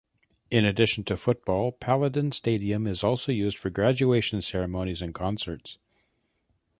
In addition to football, Paladin Stadium is also used for graduation ceremonies and concerts.